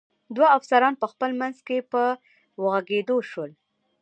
دوه افسران په خپل منځ کې په وږغېدو شول.